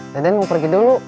ben ben mau pergi dulu